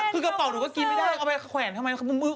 คือกระเป๋าหนูก็กินไม่ได้เอาไปแขวนทำไม